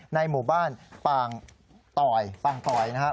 ในหมู่บ้านปางตอยปางตอยนะครับ